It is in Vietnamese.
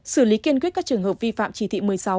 xử lý kiên quyết các trường hợp vi phạm chỉ thị một mươi sáu